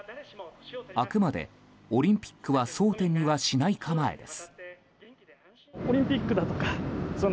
あくまでオリンピックは争点にはしない構えです。